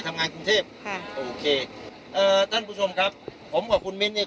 กรุงเทพค่ะโอเคเอ่อท่านผู้ชมครับผมกับคุณมิ้นเนี่ย